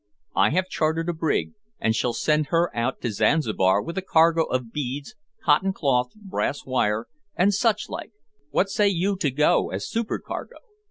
I have chartered a brig, and shall send her out to Zanzibar with a cargo of beads, cotton cloth, brass wire, and such like: what say you to go as supercargo?